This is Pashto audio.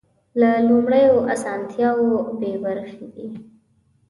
له لومړیو اسانتیاوو بې برخې دي.